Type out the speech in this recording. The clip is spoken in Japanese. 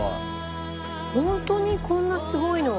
本当にこんなすごいの？